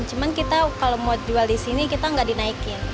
cuman kita kalau mau jual di sini kita nggak dinaikin